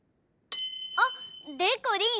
あっでこりん。